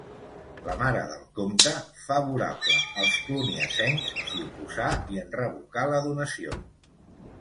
La mare del comte, favorable als cluniacencs, s'hi oposà i en revocà la donació.